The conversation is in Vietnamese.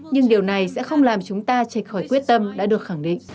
nhưng điều này sẽ không làm chúng ta chệch khỏi quyết tâm đã được khẳng định